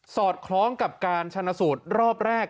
อดคล้องกับการชนะสูตรรอบแรก